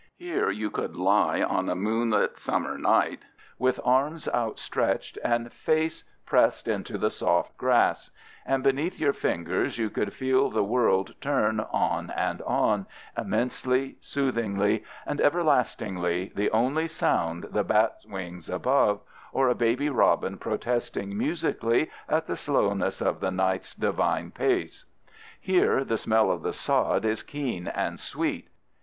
Here you could lie on a moonlit summer night, with arms outstretched and face pressed into the soft grass, and beneath your fingers you could feel the world turn on and on, immensely, soothingly, and everlastingly, the only sound the bats' wings above, or a baby robin protesting musically at the slowness of the night's divine pace. Here the smell of the sod is keen and sweet.